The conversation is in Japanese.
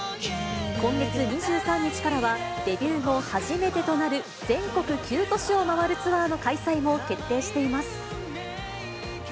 今月２３日からは、デビュー後初めてとなる全国９都市を回るツアーの開催も決定しています。